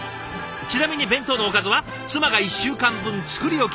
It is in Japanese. ちなみに弁当のおかずは妻が１週間分作り置き。